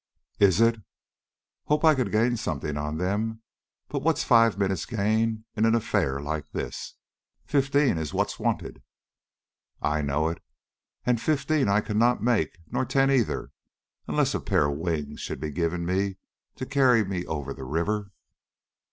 "Is it? Hope I could gain something on them, but what's five minutes' gain in an affair like this? Fifteen is what's wanted." "I know it." "And fifteen I cannot make, nor ten either, unless a pair of wings should be given me to carry me over the river."